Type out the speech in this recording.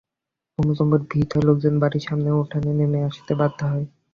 ভূমিকম্পে ভিত হয়ে লোকজন বাড়ির সামনের উঠানে নেমে আসতে বাধ্য হয়।